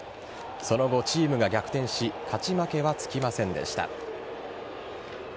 その後チームが逆転し勝ち負けはつきませんでした。